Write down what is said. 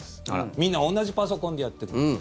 みんな同じパソコンでやってるから。